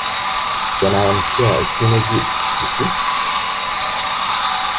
Then I am here as soon as you, you see.